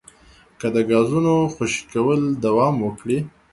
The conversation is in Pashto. که د ګازونو خوشې کول دوام وکړي